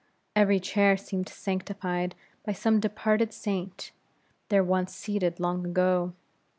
Every chair seemed sanctified by some departed saint, there once seated long ago.